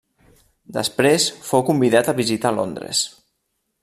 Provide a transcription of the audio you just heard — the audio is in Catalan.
Després fou convidat a visitar Londres.